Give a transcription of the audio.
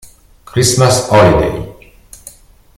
Christmas Holiday